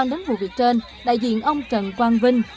trên mùa việc trên đại diện ông trần quang vinh